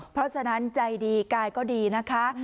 เพราะฉะนั้นใจดีกายก็ดีนะคะ